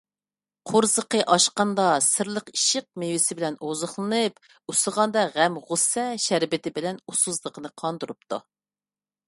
قورسىقى ئاچقاندا «سىرلىق ئىشق مېۋىسى» بىلەن ئوزۇقلىنىپ، ئۇسسىغاندا «غەم - غۇسسە شەربىتى» بىلەن ئۇسسۇزلۇقىنى قاندۇرۇپتۇ.